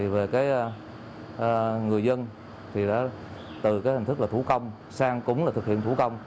về người dân thì từ hình thức là thủ công sang cũng là thực hiện thủ công